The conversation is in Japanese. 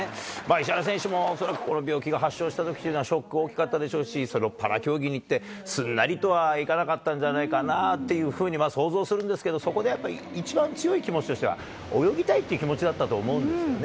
石原選手も、恐らくこの病気が発症したときっていうのは、ショック、大きかったでしょうし、それをパラ競技にって、すんなりとはいかなかったんじゃないかなと想像するんですけど、そこでやっぱり一番強い気持ちとしては、泳ぎたいって気持ちだったと思うんですよね。